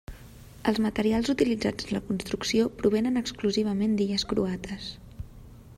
Els materials utilitzats en la construcció provenen exclusivament d'illes croates: